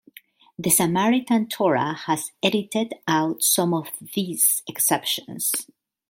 The Samaritan Torah has edited out some of these exceptions.